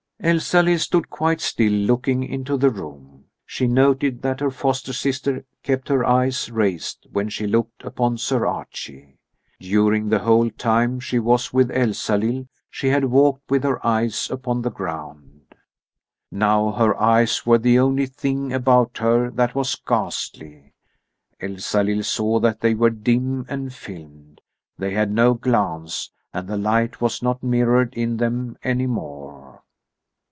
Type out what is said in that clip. Elsalill stood quite still looking into the room. She noted that her foster sister kept her eyes raised when she looked upon Sir Archie. During the whole time she was with Elsalill she had walked with her eyes upon the ground. Now her eyes were the only thing about her that was ghastly. Elsalill saw that they were dim and filmed. They had no glance, and the light was not mirrored in them any more.